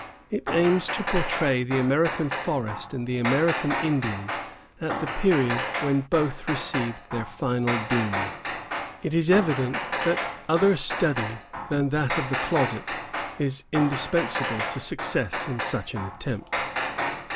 It aims to portray the American forest and the American Indian at the period when both received their final doom. It is evident that other study than that of the closet is indispensable to success in such an attempt.